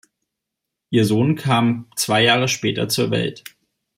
Ihr Sohn kam zwei Jahre später zur Welt.